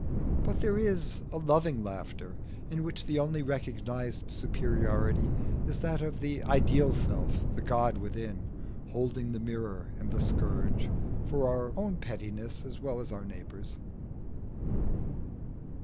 But there is a loving laughter in which the only recognised superiority is that of the ideal self, the God within, holding the mirror and the scourge for our own pettiness as well as our neighbours'.